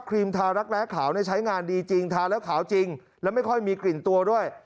ครีมทารักแร้ขาวใช้งานดีจริงทาแล้วขาวจริงแล้วไม่ค่อยมีกลิ่นตัวด้วย